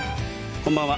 こんばんは。